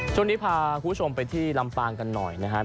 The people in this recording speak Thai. ช่วงนี้พาคุณผู้ชมไปที่ลำปางกันหน่อยนะครับ